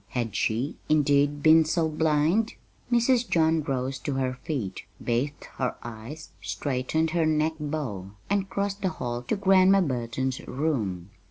Had she, indeed, been so blind? Mrs. John rose to her feet, bathed her eyes, straightened her neck bow, and crossed the hall to Grandma Burton's room.